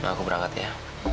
aku berangkat ya